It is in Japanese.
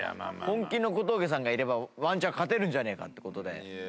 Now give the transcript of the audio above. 本気の小峠さんがいればワンチャン勝てるんじゃねえかって事で。